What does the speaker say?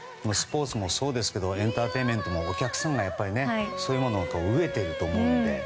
スポーツもそうですけどエンターテインメントもお客さんがそういうものに飢えていると思うので。